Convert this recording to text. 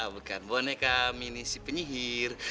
bukan boneka mini si penyihir